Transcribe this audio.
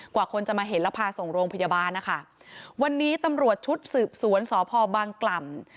กว่าคนจะมาเห็นแล้วพาส่งโรงพยาบาลนะคะวันนี้ตำรวจชุดสืบสวนสพบางกล่ำ